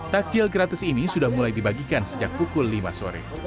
takjil gratis ini sudah mulai dibagikan sejak pukul lima sore